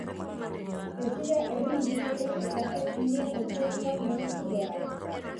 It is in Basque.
Ez dira herri indigena eta etnia kontzeptuak nahastu behar.